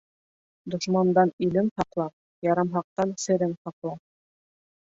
Дошмандан илең һаҡла, ярамһаҡтан серең һаҡла.